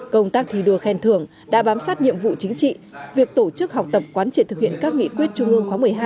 công tác thi đua khen thưởng đã bám sát nhiệm vụ chính trị việc tổ chức học tập quán triệt thực hiện các nghị quyết trung ương khóa một mươi hai